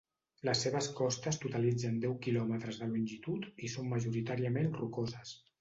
Les seves costes totalitzen deu quilòmetres de longitud i són majoritàriament rocoses.